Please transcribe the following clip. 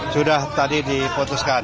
sudah tadi diperkenalkan